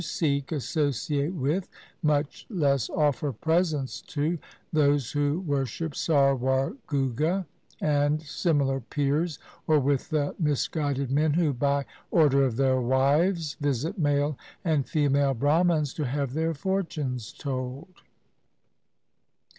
Let no Sikh associate with, much less offer presents to, those who worship Sarwar, Gugga, 1 and similar pirs, or with the misguided men who by order of their wives visit male and female Brahmans to have their fortunes told.